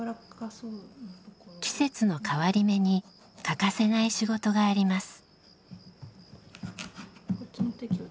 季節の変わり目に欠かせない仕事があります。